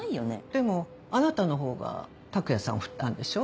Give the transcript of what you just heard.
でもあなたの方が拓也さんをふったんでしょ？